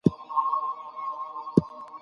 چیرته کولای سو سفیر په سمه توګه مدیریت کړو؟